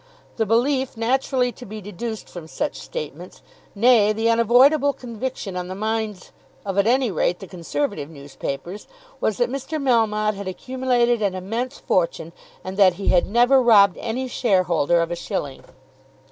The belief naturally to be deduced from such statements, nay, the unavoidable conviction on the minds of, at any rate, the Conservative newspapers was that Mr. Melmotte had accumulated an immense fortune, and that he had never robbed any shareholder of a shilling.